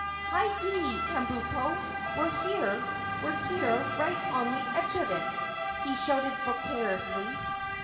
"Hi, yi, Kabumpo! We're here! We're here, right on the edge of it!" he shouted vociferously.